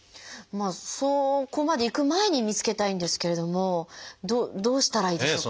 そこまでいく前に見つけたいんですけれどもどうしたらいいでしょうか？